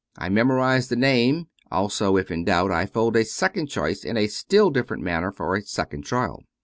I memorize the name; also, if in doubt, I fold a second choice in a still different manner for a second trial.